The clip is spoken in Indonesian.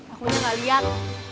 aku juga gak liat